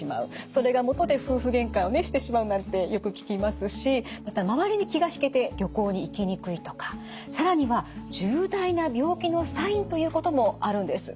それがもとで夫婦げんかをしてしまうなんてよく聞きますしまた周りに気が引けて旅行に行きにくいとか更には重大な病気のサインということもあるんです。